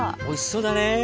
おいしそうだね。